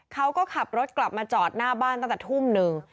เขาก็ขับรถกลับมาจอดหน้าบ้านตั้งแต่ทุ่มหนึ่ง